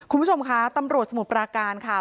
คุณผู้ชมคะตำรวจสมุทรปราการค่ะ